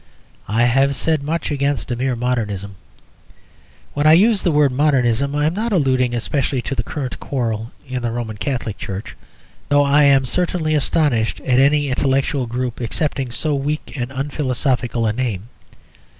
I have said much against a mere modernism. When I use the word "modernism," I am not alluding specially to the current quarrel in the Roman Catholic Church, though I am certainly astonished at any intellectual group accepting so weak and unphilosophical a name.